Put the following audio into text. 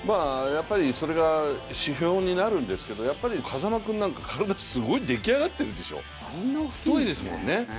それが指標になるんですけど、風間君なんか体、すごいできあがってるでしょ太いもんね。